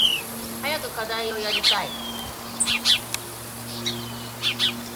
早く課題をやりたい。